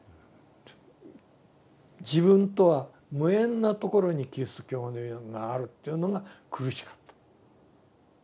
自分とは無縁なところにキリスト教があるというのが苦しかった。